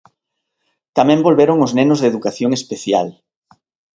Tamén volveron os nenos de educación especial.